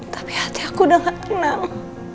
tapi hati aku udah gak tenang